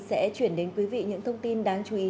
sẽ chuyển đến quý vị những thông tin đáng chú ý